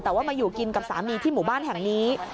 แต่ว่ามาอยู่กินกับสามีที่หมู่บ้านแห่งนี้